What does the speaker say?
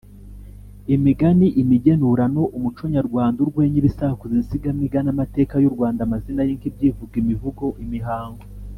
imigani, imigenurano, umuco nyarwanda, urwenya, ibisakuzo, insigamigani, amateka y’u Rwanda, amazina y’inka, ibyivugo, imivugo, imihango